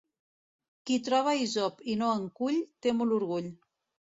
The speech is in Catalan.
Qui troba hisop i no en cull, té molt orgull.